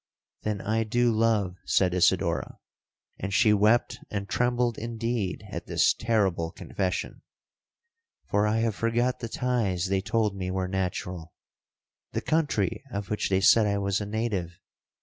'—'Then I do love,' said Isidora; and she wept and trembled indeed at this terrible confession—'for I have forgot the ties they told me were natural,—the country of which they said I was a native.